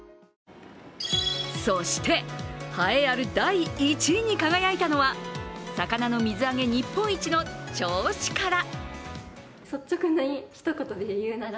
そして栄えある第１位に輝いたのは魚の水揚げ日本一の銚子から。